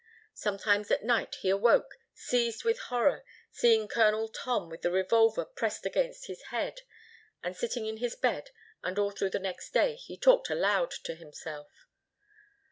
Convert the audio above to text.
Sometimes at night he awoke, seized with horror, seeing Colonel Tom with the revolver pressed against his head; and sitting in his bed, and all through the next day he talked aloud to himself.